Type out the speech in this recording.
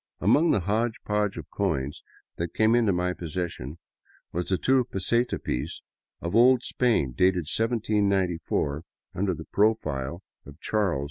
Among the hodgepodge of coins that came into my possession was a two peseta piece of old Spain, dated 1794 under the profile of Charles IV.